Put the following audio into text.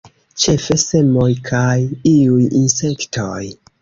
Ĉefe semoj kaj iuj insektoj.